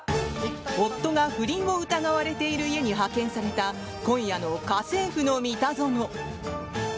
夫が不倫を疑われている家に派遣された今夜の「家政夫のミタゾノ」。